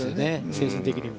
精神的にも。